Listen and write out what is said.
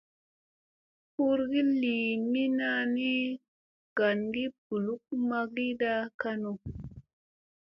Hurgi lii mina ni, gangi ɓuluk magiɗa kanu.